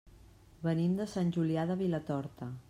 Venim de Sant Julià de Vilatorta.